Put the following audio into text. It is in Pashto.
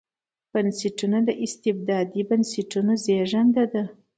بنسټونه د استبدادي بنسټونو زېږنده ده.